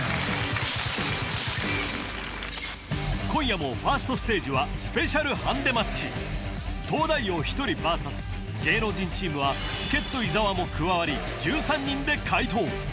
今夜もファーストステージは東大王１人ＶＳ芸能人チームは助っ人伊沢も加わり１３人で解答